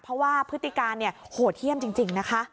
เพราะว่าพฤติการโหดเยี่ยมจริงนะคะ